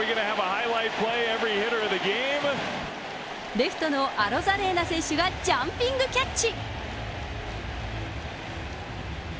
レフトのアロザレーナ選手がジャンピングキャッチ。